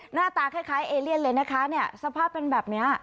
หน้าตาคล้ายเอเลียนเลยนะคะเนี่ยสภาพเป็นแบบนี้